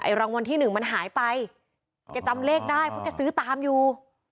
ไอ้ลางวนที่หนึ่งมันหายไปเก็บจะได้เพราะแกซื้อตามอยู่